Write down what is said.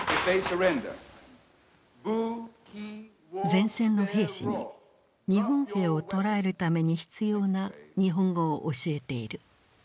前線の兵士に日本兵を捕らえるために必要な日本語を教えている。